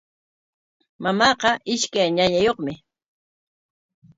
Mamaaqa ishkay ñañayuqmi.